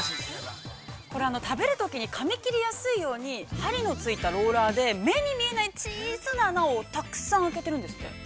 これは食べるとき、かみ切りやすいように、針のついたローラーで、目に見えない、小さな穴をたくさん開けてるんですって。